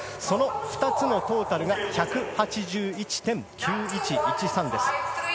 ２つのトータルが１８１．９１１３です。